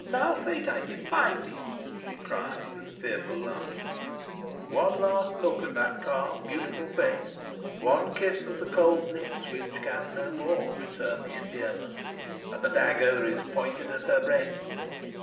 "Now, fate, I defy thee!" she cried, with a fearful laugh. One last look at that calm beautiful face one kiss of the cold lips, which can no more return the endearment and the dagger is pointed at her breast.